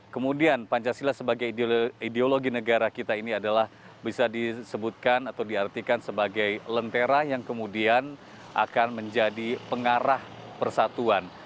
kemudian pancasila sebagai ideologi negara kita ini adalah bisa disebutkan atau diartikan sebagai lentera yang kemudian akan menjadi pengarah persatuan